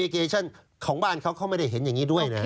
เคชั่นของบ้านเขาเขาไม่ได้เห็นอย่างนี้ด้วยนะ